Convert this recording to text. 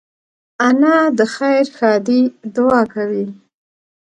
انا د خیر ښادۍ دعا کوي